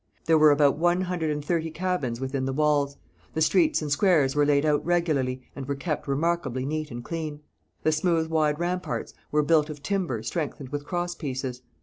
There were about one hundred and thirty cabins within the walls; the streets and squares were laid out regularly and were kept remarkably neat and clean. The smooth, wide ramparts were built of timber strengthened with cross pieces.